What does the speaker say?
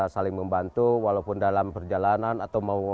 saling membantu walaupun dalam perjalanan atau mau